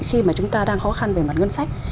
khi mà chúng ta đang khó khăn về mặt ngân sách